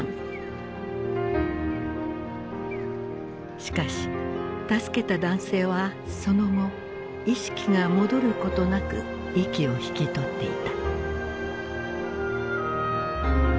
しかし助けた男性はその後意識が戻ることなく息を引き取っていた。